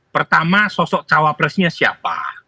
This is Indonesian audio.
pertama sosok cawa pres ini ya ini adalah strategi yang bagus